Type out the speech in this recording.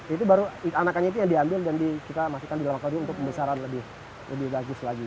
itu baru anakannya itu yang diambil dan kita masukkan di dalam akademi untuk pembesaran lebih bagus lagi